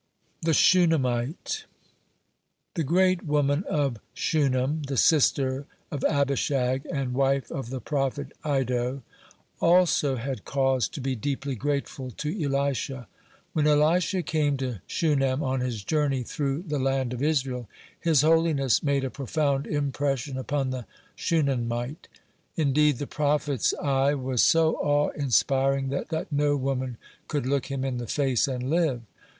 (9) THE SHUNAMMITE The great woman of Shunem, the sister of Abishag and wife of the prophet Iddo, (10) also had cause to be deeply grateful to Elisha. When Elisha came to Shunem on his journey through the land of Israel, his holiness made a profound impression upon the Shunammite. Indeed, the prophet's eye was so awe inspiring that now woman could look him in the face and live.